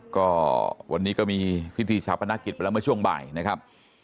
ก็วันนี้ก็มีพิธีชาปนกิจไปแล้วเมื่อช่วงบ่ายนะครับ